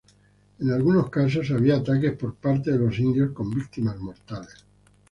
En algunos casos había ataques por parte de los indios con víctimas mortales.